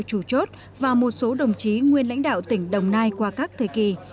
chủ chốt và một số đồng chí nguyên lãnh đạo tỉnh đồng nai qua các thời kỳ